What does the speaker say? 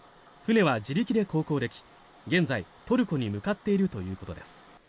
船は自力で航行でき現在、トルコに向かっているということです。